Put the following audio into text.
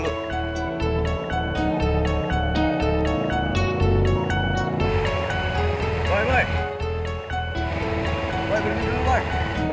boy berhenti dulu boy